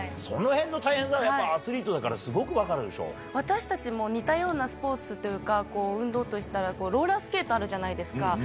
そのへんの大変さって、やっぱアスリートだから、すごく分かるで私たちも、似たようなスポーツというか、運動としたら、ローラースケートあるじゃないですか。